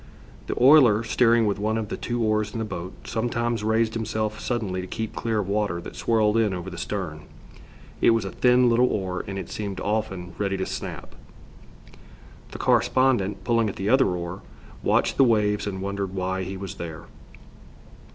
The oiler, steering with one of the two oars in the boat, sometimes raised himself suddenly to keep clear of water that swirled in over the stern. It was a thin little oar and it seemed often ready to snap. The correspondent, pulling at the other oar, watched the waves and wondered why he was there.